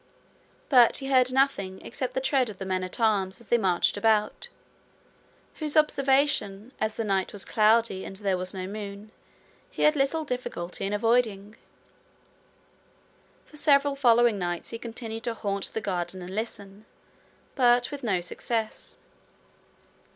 But he heard nothing except the tread of the men at arms as they marched about, whose observation, as the night was cloudy and there was no moon, he had little difficulty in avoiding. For several following nights he continued to haunt the garden and listen, but with no success.